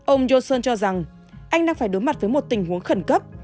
ông johnson cho rằng anh đang phải đối mặt với một tình huống khẩn cấp